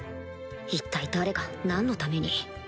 一体誰が何のために